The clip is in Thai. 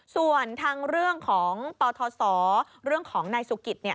ส่วนทางเรื่องของปทศเรื่องของนายสุกิต